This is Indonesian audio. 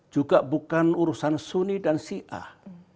juga bukan urusan sunni dan si ah